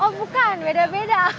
oh bukan beda beda